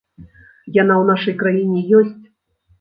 Яна ў нашай краіне ёсць!